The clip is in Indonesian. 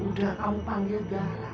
udah kamu panggil gara